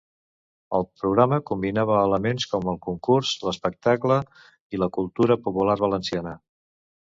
El programa combinava elements com el concurs, l'espectacle i la cultura popular valenciana.